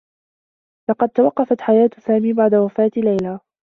لقد توقّفت حياة سامي بعد وفاة ليلى.